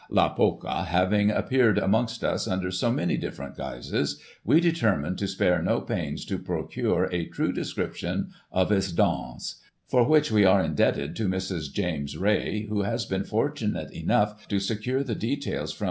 La Polka having appeared amongst us under so many dif ferent guises, we determined to spare no pains to procure a true description of its danse; for which we are indebted to Mrs. James Rae, who has been fortunate enough to secure the details from M.